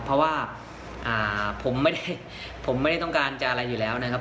เพราะว่าผมไม่ได้ผมไม่ได้ต้องการจะอะไรอยู่แล้วนะครับ